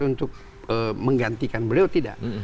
untuk menggantikan beliau tidak